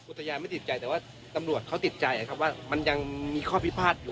ตยาไม่ติดใจแต่ว่าตำรวจเขาติดใจครับว่ามันยังมีข้อพิพาทอยู่